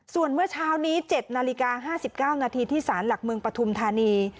ส่วนเมื่อเช้านี้๗นาฬิกา๕๙นาทีที่สารหลักเมืองปฐุมธานี